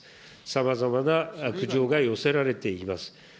さまざまな苦情が寄せられています。